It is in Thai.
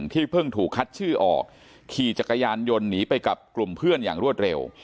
ที่เพิ่งถูกคัดชื่อออกขี่จักรยานยนต์หนีไปกับกลุ่มเพื่อนอย่างรวดเร็ว